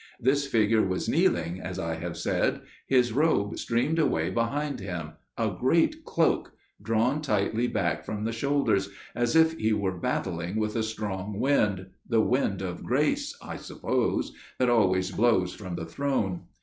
This figure was kneeling, as I have said; his robe streamed away behind him––a great cloak––drawn tightly back from the shoulders, as if he were battling with a strong wind––the Wind of Grace, I suppose, that always blows from the Throne.